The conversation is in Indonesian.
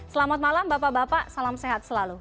selamat malam bapak bapak salam sehat selalu